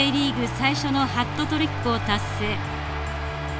最初のハットトリックを達成。